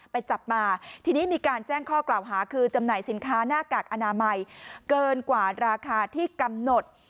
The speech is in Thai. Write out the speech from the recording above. ไปจับมาทีนี้มีการแจ้งข้อกล่าวหาคือจำหน่ายสินค้าหน้ากากอนามัยเกินกว่าราคาที่กำหนด